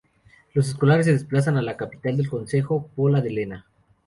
Los escolares se desplazan a la capital del Concejo, Pola de Lena.